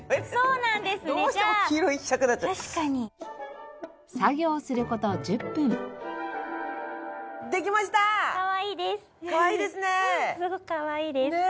うんすごくかわいいです。